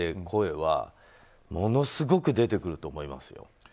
声はものすごく出てくると思いますよ。